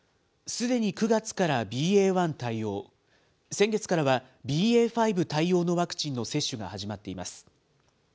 すでに９月からＢＡ．１対応、先月からは、ＢＡ．５対応のワクチンの接種が始まっています。